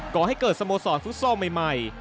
ก่อให้เกิดสโมสรฟุตซอลใหม่